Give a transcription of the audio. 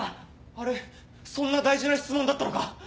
あれそんな大事な質問だったのか。